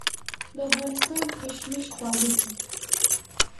د افغانستان کشمش خواږه دي.